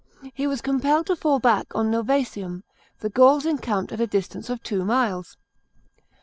He was compelled to fall back on Novsesium : the Gauls encamped at a distance of two miles.